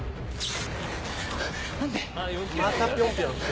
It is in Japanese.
何で？